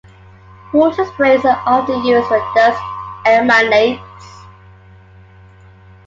Water spray is often used where dust emanates.